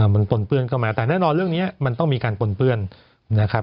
มันปนเปื้อนเข้ามาแต่แน่นอนเรื่องนี้มันต้องมีการปนเปื้อนนะครับ